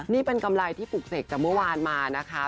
นี่เป็นกำไรที่ปลูกเสกจากเมื่อวานมานะคะ